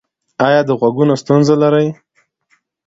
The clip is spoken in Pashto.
ایا د غوږونو ستونزه لرئ؟